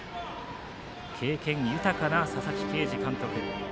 経験豊かな佐々木啓司監督。